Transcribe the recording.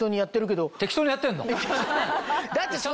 適当にやってんの？だって。